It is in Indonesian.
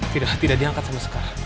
tidak tidak diangkat sama sekar